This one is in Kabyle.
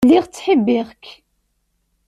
Lliɣ ttḥibbiɣ-k.